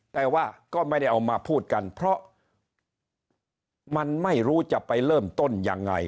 แต่ว่าก็ไม่ได้เอามาพูดกันเพราะมันไม่รู้จะไปเริ่มต้นยังไง